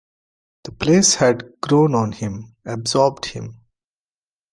The place had grown on him, absorbed him.